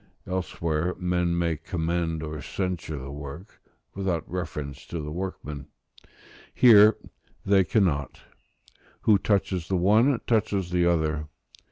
Elsewhere men may commend or censure the work, without reference to the workman; here they cannot: who touches the one, touches the other.